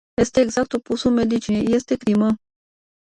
Este exact opusul medicinei - este crimă.